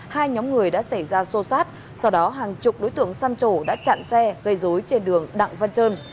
hai nhóm người đã xảy ra xô xát sau đó hàng chục đối tượng xăm trổ đã chặn xe gây dối trên đường đặng văn trơn